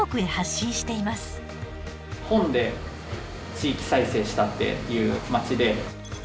本で地域再生したっていう街で。